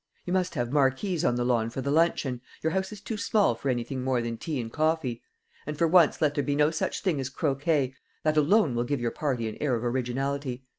You must have marquees on the lawn for the luncheon your house is too small for anything more than tea and coffee; and for once let there be no such thing as croquet that alone will give your party an air of originality.